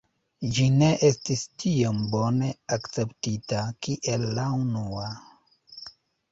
Ĝi ne estis tiom bone akceptita kiel la unua.